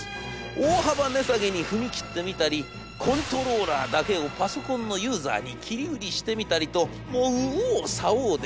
大幅値下げに踏み切ってみたりコントローラーだけをパソコンのユーザーに切り売りしてみたりともう右往左往で。